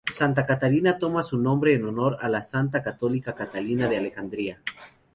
Santa Catarina toma su nombre en honor a la santa católica Catalina de Alejandría.